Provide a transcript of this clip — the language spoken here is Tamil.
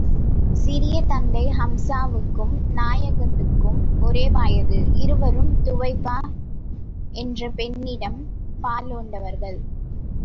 சிறிய தந்தை ஹம்ஸாவுக்கும் நாயகத்துக்கும் ஒரே வயது இருவரும் துவைபா என்ற பெண்மணியிடம் பாலுண்டவர்கள்.